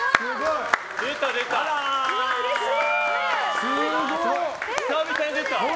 うれしい！